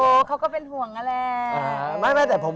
เขาก็เป็นห่วงนั่นแหละ